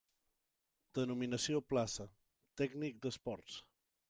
Denominació plaça: tècnic d'esports.